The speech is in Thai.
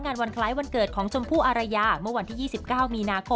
งานวันไคล้วันเกิดของจมภูอารยาเมื่อวันที่๒๙มี